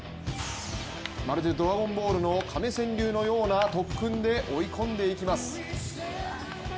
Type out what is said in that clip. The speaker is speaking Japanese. まるで「ドラゴンボール」の亀仙流のような特訓で追い込んでいきます。